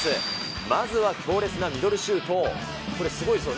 まずは強烈なミドルシュートを、これすごいですよ。